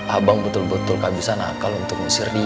abang betul betul kehabisan akal untuk ngusir dia